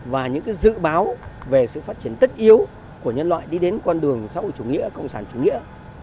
và những dự báo về sự phát triển tất yếu của nhân loại đi đến con đường xã hội chủ nghĩa cộng sản chủ nghĩa